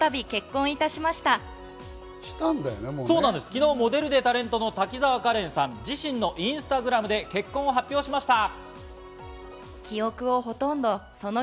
昨日、モデルでタレントの滝沢カレンさん、自身のインスタグラムで結婚を発表しました。